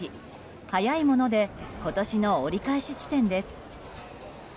早いもので今年の折り返し地点です。